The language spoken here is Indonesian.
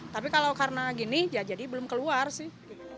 tapi kalau karena gini ya jadi belum keluar sih